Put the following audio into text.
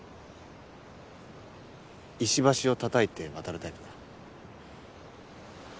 石橋をたたいて渡るタイプだ。